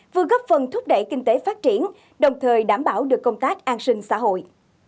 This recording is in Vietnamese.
vừa góp phần thúc đẩy kinh tế phát triển đồng thời đảm bảo được công tác an sinh xã hội